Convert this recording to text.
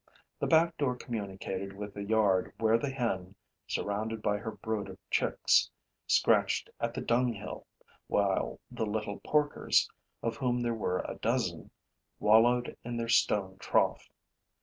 The back door communicated with the yard where the hen, surrounded by her brood of chicks, scratched at the dung hill, while the little porkers, of whom there were a dozen, wallowed in their stone trough.